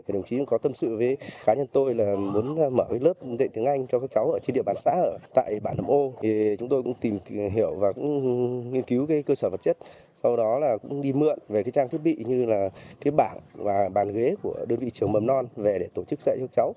đồng chí có tâm sự với cá nhân tôi là muốn mở lớp dạy tiếng anh cho các cháu ở trên địa bàn xã ở tại bản ô thì chúng tôi cũng tìm hiểu và cũng nghiên cứu cơ sở vật chất sau đó là cũng đi mượn về trang thiết bị như là bảng và bàn ghế của đơn vị trường mầm non về để tổ chức dạy cho cháu